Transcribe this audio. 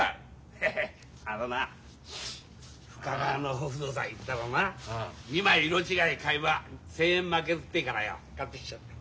ヘヘッあのな深川のお不動さん行ったらな２枚色違い買えば１，０００円まけるってえからよ買ってきちゃった。